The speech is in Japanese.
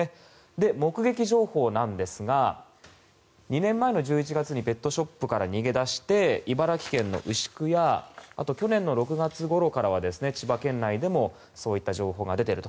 目撃情報なんですが２年前の１１月にペットショップから逃げ出して茨城県の牛久や去年６月ごろからは千葉県内でもそういった情報が出ていると。